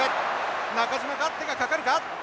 中島か手がかかるか。